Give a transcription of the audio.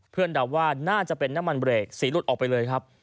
เดาว่าน่าจะเป็นน้ำมันเบรกสีหลุดออกไปเลยครับ